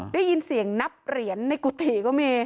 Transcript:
ได้ยินเสียงนับเหรียญในกุฏิก็มี